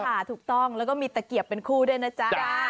ถูกต้องแล้วก็มีตะเกียบเป็นคู่ด้วยนะจ๊ะ